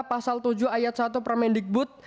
pasal tujuh ayat satu permendikbud